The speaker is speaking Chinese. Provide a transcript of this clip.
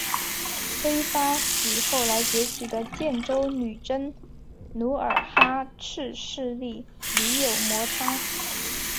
辉发与后来崛起的建州女真努尔哈赤势力屡有摩擦。